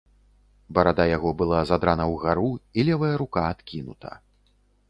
Барада яго была задрана ўгару, і левая рука адкінута.